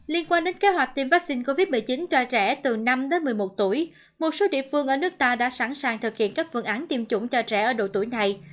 liên quan đến kế hoạch tiêm vaccine covid một mươi chín cho trẻ từ năm đến một mươi một tuổi một số địa phương ở nước ta đã sẵn sàng thực hiện các phương án tiêm chủng cho trẻ ở độ tuổi này